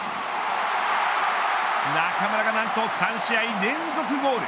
中村が何と３試合連続ゴール。